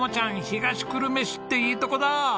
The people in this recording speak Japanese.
東久留米市っていいとこだ。